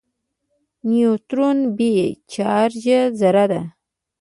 نیوټرون بې چارجه ذره ده.